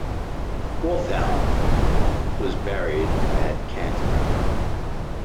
Wulfhelm was buried at Canterbury.